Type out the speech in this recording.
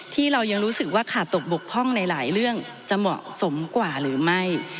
ที่เรายังรู้สึกว่าขาดตกบกพร่องในหลายเรื่องจะเหมาะสมกว่าหรือไม่